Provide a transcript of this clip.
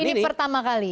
jadi ini pertama kali